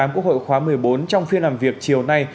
quốc hội khóa một mươi bốn trong phiên làm việc chiều nay